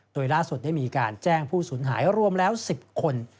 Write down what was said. โดยล่าสุดได้มีการแจ้งผู้สูญหายรวมแล้ว๑๐คน